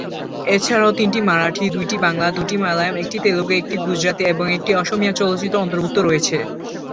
এছাড়াও তিনটি মারাঠি, দুইটি বাংলা, দুইটি মালয়ালম, একটি তেলুগু, একটি গুজরাতি এবং একটি অসমীয়া চলচ্চিত্র অন্তর্ভুক্ত রয়েছে।